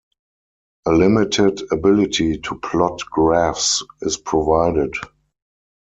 A limited ability to plot graphs is provided.